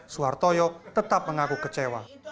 suharto tetap mengaku kecewa